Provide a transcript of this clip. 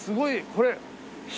これ。